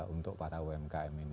untuk para umkm ini